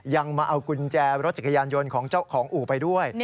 ยังมาเอากุญแจรถจักรยานยนต์ของเจ้าของอู่ไปด้วย